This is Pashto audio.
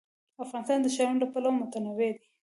افغانستان د ښارونه له پلوه متنوع دی.